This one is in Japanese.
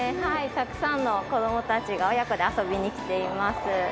たくさんの子どもたちが親子で遊びに来ています。